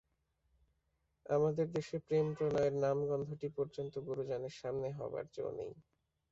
আমাদের দেশে প্রেম-প্রণয়ের নামগন্ধটি পর্যন্ত গুরুজনের সামনে হবার যো নেই।